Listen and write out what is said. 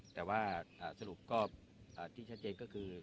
แต่สรุปที่ชัดเจนคือ